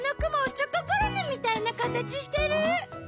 チョココロネみたいなかたちしてる！